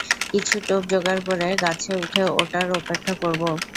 কিছু টোপ জোগাড় করে, গাছে উঠে ওটার অপেক্ষা করবো।